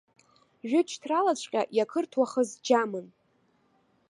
Жәытәшьҭралаҵәҟьа иақырҭуахаз џьамын.